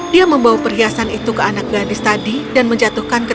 dia membawa perhiasan itu ke anak gadis tadi dan menjatuhkan